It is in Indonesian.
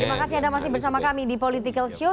terima kasih sudah masih bersama kami di politika usul